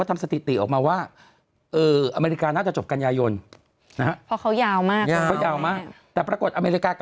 มันสวนทางกันไง